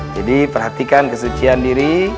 jadi perhatikan kesucian diri